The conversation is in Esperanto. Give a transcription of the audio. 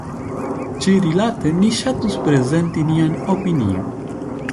Ĉi-rilate ni ŝatus prezenti nian opinion.